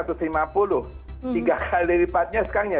tiga kali lipatnya sekarang ya